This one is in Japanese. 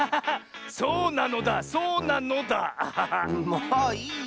もういいよ。